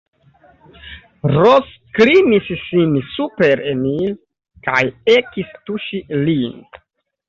Ros klinis sin super Emil kaj ekis tuŝi lin.